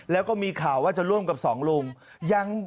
แล้วก็มีข่าวว่าจะร่วมกับสองลุง